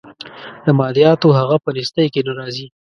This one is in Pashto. د مادیاتو هغه په نیستۍ کې نه راځي.